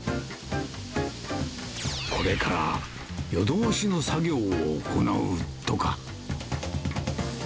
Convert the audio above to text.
これから夜通しの作業を行うとか。